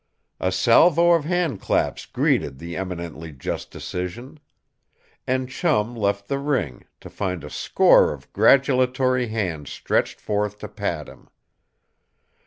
A salvo of handclaps greeted the eminently just decision. And Chum left the ring, to find a score of gratulatory hands stretched forth to pat him.